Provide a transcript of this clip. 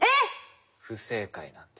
不正解なんです。